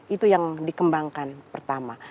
itu yang dikembangkan pertama